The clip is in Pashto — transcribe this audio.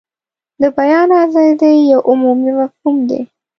د بیان ازادي یو عمومي مفهوم دی.